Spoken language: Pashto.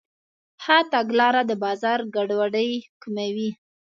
ښه تګلاره د بازار ګډوډي کموي.